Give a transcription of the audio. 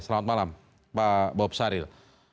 selamat malam pak bob saril